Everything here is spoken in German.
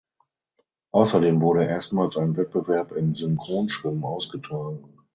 Außerdem wurde erstmals ein Wettbewerb im Synchronschwimmen ausgetragen.